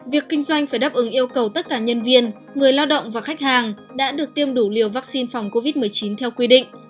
việc kinh doanh phải đáp ứng yêu cầu tất cả nhân viên người lao động và khách hàng đã được tiêm đủ liều vaccine phòng covid một mươi chín theo quy định